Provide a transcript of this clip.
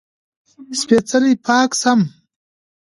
سپېڅلی: پاک سم دی.